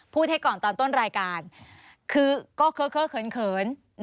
ให้ก่อนตอนต้นรายการคือก็เคอเขิน